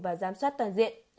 và giám soát toàn diện